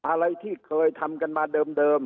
อะไรที่เคยทำกันมาเดิม